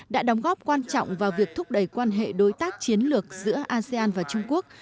đã đóng góp quan trọng vào việc thúc đẩy quan hệ đối tác chiến lược giữa asean và trung quốc